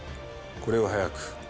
これを速く。